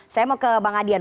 saya mau ke bang adian